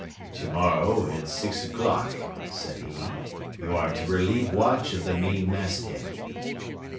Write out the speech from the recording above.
"To morrow, at six o'clock," said he, "you are to relieve watch of the main masthead."